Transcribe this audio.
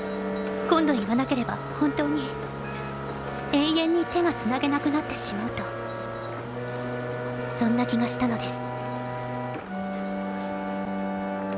今度いわなければほんとうに永遠に手がつなげなくなってしまうとそんな気がしたのです」。